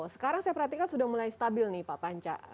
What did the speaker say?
sekarang saya perhatikan sudah mulai stabil nih pak panca